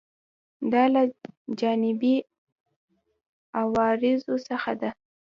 دا له جانبي عوارضو څخه ده.